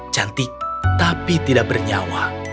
cantik tapi tidak bernyawa